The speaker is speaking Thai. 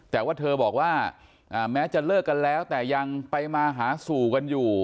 แต่ว่าเธอบอกว่าแม้จะเลิกกันแล้วแต่ยังไปมาหาสู่กันอยู่